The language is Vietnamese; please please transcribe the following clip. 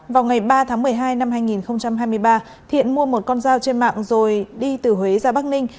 vào ngày ba tháng một mươi hai năm hai nghìn hai mươi ba thiện mua một con dao trên mạng rồi đi từ huế ra bắc ninh